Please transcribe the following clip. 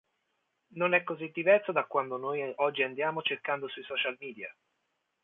Non è così diverso da quanto noi oggi andiamo cercando sui social media.